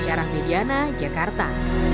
syarah mediana jakarta